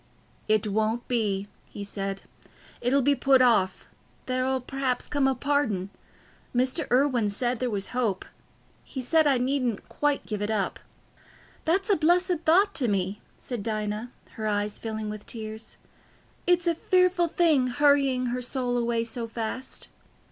"It won't be," he said, "it'll be put off—there'll perhaps come a pardon. Mr. Irwine said there was hope. He said, I needn't quite give it up." "That's a blessed thought to me," said Dinah, her eyes filling with tears. "It's a fearful thing hurrying her soul away so fast."